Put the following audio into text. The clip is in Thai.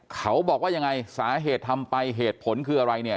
เขาบอกว่ายังไงสาเหตุทำไปเหตุผลคืออะไรเนี่ย